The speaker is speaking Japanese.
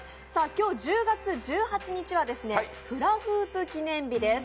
今日１０月１８日はフラフープ記念日です。